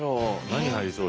何入りそう？